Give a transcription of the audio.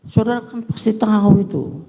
saudara kan pasti tahu itu